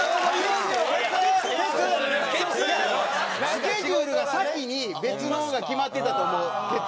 スケジュールが先に別のが決まってたと思うケツは。